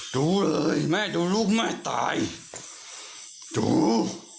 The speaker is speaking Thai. ดูเลยแม่ดูลูกแม่ตายดู